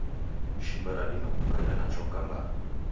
Shimba radima kukaia na chwaka mbaa.